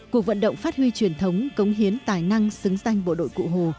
cuộc vận động phát huy truyền thống cống hiến tài năng xứng danh bộ đội cụ hồ